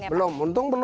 belum untung ya pak